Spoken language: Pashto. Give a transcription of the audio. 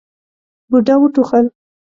بوډا وټوخل.